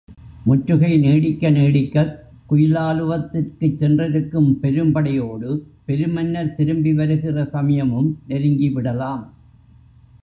முற்றுகை நீடிக்க நீடிக்கக் குயிலாலுவத்திற்குச் சென்றிருக்கும் பெரும்படையோடு பெருமன்னர் திரும்பி வருகிற சமயமும் நெருங்கிவிடலாம்.